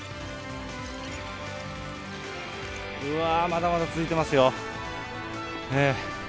うわー、まだまだ続いてますよ。